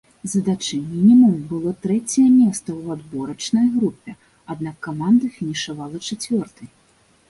Задачай-мінімум было трэцяе месца ў адборачнай групе, аднак каманда фінішавала чацвёртай.